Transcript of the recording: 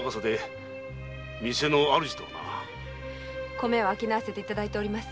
米を商わせていただいております。